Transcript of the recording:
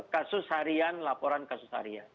kasus harian laporan kasus harian